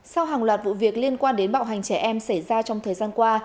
sau hàng loạt vụ việc liên quan đến bạo hành trẻ em xảy ra trong thời gian qua